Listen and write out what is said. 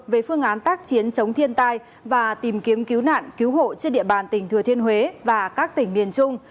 về phương án tác chiến chống thiên tai và tìm kiếm cứu nạn cứu hộ trên địa bàn tỉnh thừa thiên huế và các tỉnh miền trung